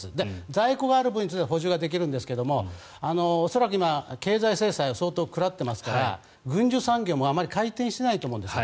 在庫がある分については補充できるんですが恐らく今、経済制裁を相当食らっていますから軍需産業もあまり回転していないと思います。